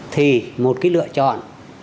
thì một cái lựa chọn